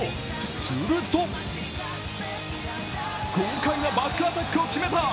すると豪快なバックアタックを決めた！